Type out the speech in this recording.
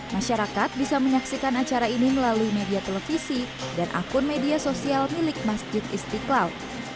masyarakat bisa menyaksikan acara ini melalui media televisi dan akun media sosial milik masjid istiqlal